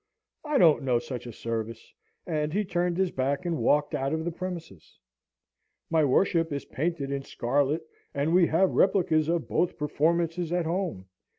I don't know such a service!" and he turned his back and walked out of the premises. My worship is painted in scarlet, and we have replicas of both performances at home.